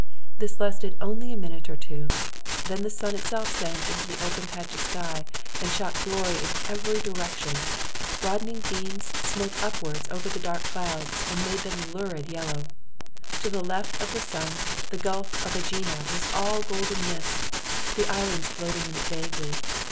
This lasted only a minute or two, then the sun itself sank into the open patch of sky and shot glory in every direction; broadening beams smote upwards over the dark clouds, and made them a lurid yellow. To the left of the sun, the gulf of Aegina was all golden mist, the islands floating in it vaguely.